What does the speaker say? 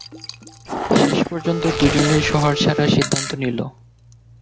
শেষ পর্যন্ত দুজনেই শহর ছাড়ার সিদ্ধান্ত নিল।